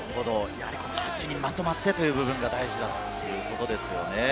８人まとまってという部分が大事ということですね。